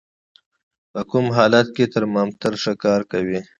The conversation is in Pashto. په کوم حالت کې ترمامتر ښه کار کوي؟